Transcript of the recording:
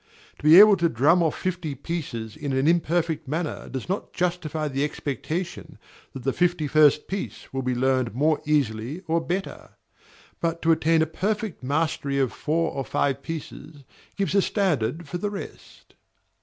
To be able to drum off fifty pieces in an imperfect manner does not justify the expectation that the fifty first piece will be learned more easily or better; but to attain a perfect mastery of four or five pieces gives a standard for the rest.